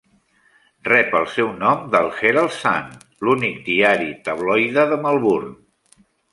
Rep el seu nom del "Herald Sun", l'únic diari tabloide de Melbourne.